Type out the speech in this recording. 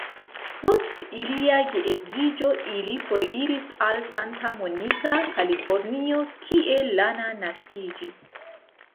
Post ilia geedziĝo ili foriris al Santa Monica, Kalifornio kie Lana naskiĝis.